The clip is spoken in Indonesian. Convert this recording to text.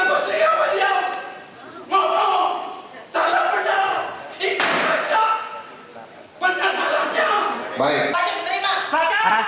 mau mau salah salah itu saja bukan salahnya